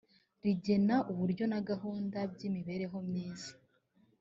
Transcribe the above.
rigena uburyo na gahunda by imibereho myiza